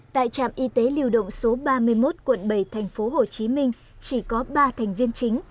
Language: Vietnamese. tại trạm y tế liều động số ba mươi một quận bảy thành phố hồ chí minh chỉ có ba thành viên chính